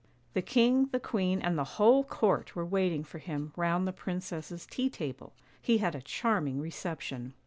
The king, the queen and the whole court were waiting for him round the princess's tea table. He had a charming reception.